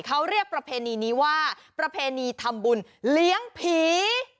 เขาเรียกประเพณีนี้ว่าประเพณีทำบุญเลี้ยงผี